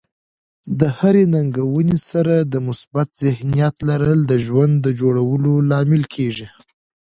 د هرې ننګونې سره د مثبت ذهنیت لرل د ژوند د جوړولو لامل کیږي.